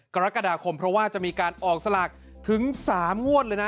กรกฎาคมเพราะว่าจะมีการออกสลากถึง๓งวดเลยนะ